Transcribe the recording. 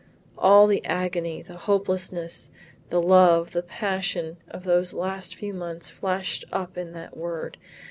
All the agony, the hopelessness, the love, the passion of those last few months flashed up in that word.